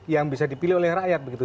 yang bisa dipilih oleh rakyat begitu